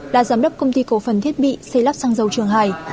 là giám đốc công ty cổ phần thiết bị xây lắp xăng dầu trường hải